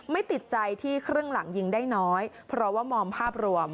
ไม่ติดใจที่ครึ่งหลังยิงได้น้อยเพราะว่ามองภาพรวม